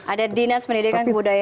ada dinas pendidikan kebudayaan ya